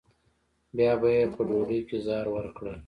بیا به یې په ډوډۍ کې زهر ورکړل.